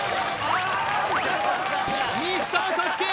ミスターＳＡＳＵＫＥ